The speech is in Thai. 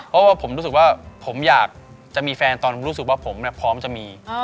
เพราะว่าผมอยากจะมีแฟนตอนรู้สึกว่าผมพร้อมจะมี